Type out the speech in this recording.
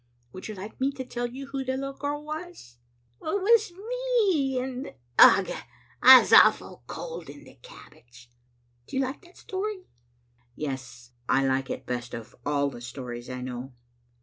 Would you like me to tell you who the little girl was? Well, it was me, and, ugh ! I was awful cold in the cabbage. Do you like that story?" "Yes; I like it best of all the stories I know."